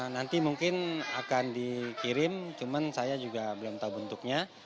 nanti mungkin akan dikirim cuman saya juga belum tahu bentuknya